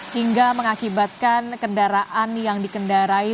hingga mengakibatkan kendaraan yang dikendarai